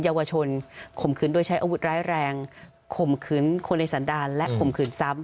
เยาวชนข่มขืนโดยใช้อาวุธร้ายแรงข่มขืนคนในสันดารและข่มขืนซ้ำ